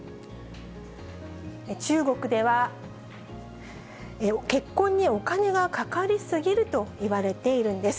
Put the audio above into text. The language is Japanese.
中国では、結婚にお金がかかり過ぎるといわれているんです。